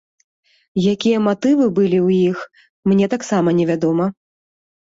Якія матывы былі ў іх, мне таксама невядома.